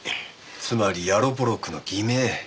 つまりヤロポロクの偽名。